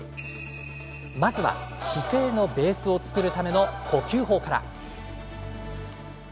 まずは姿勢のベースを作るための呼吸法から。